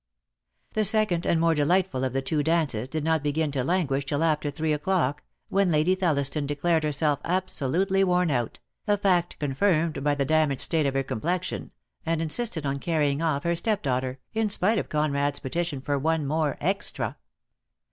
The second and more delightful of the two dances did not begin to languish till after three o'clock, when Lady Thelliston declared herself absolutely worn out, a fact confirmed by the damaged state of her complexion, and insisted on carrying off her stepdaughter, in spite of Conrad's petition for one more "extra."